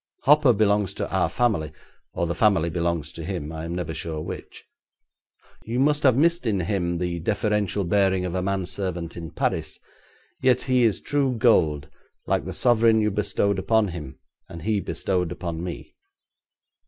Hopper belongs to our family, or the family belongs to him. I am never sure which. You must have missed in him the deferential bearing of a man servant in Paris, yet he is true gold, like the sovereign you bestowed upon him, and he bestowed upon me.